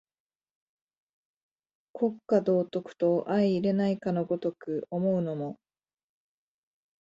国家道徳と相容れないかの如く思うのも、